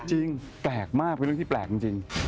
จริงแตกมากคือเรื่องที่ไปร์คจริง